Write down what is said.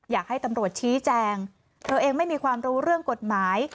อยากให้ตำรวจชี้แจงเธอเองไม่มีความรู้เรื่องกฎหมาย